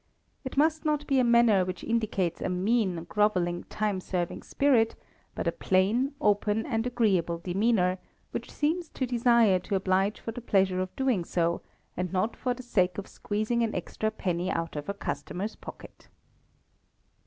It must not be a manner which indicates a mean, grovelling time serving spirit, but a plain, open, and agreeable demeanour, which seems to desire to oblige for the pleasure of doing so, and not for the sake of squeezing an extra penny out of a customer's pocket.